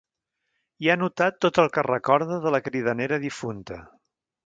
Hi ha anotat tot el que recorda de la cridanera difunta.